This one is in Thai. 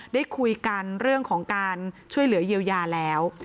ได้คุยกันเรื่องของการช่วยเหลือเยียวยาแล้ว